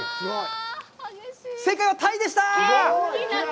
正解は鯛でした！